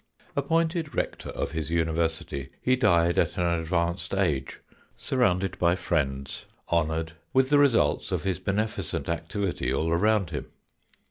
Appointed rector of his University, he died at an advanced age, surrounded by friends, honoured, with the results of his beneficent activity all around him.